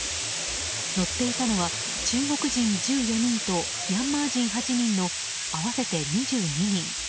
乗っていたのは中国人１４人とミャンマー人８人の合わせて２２人。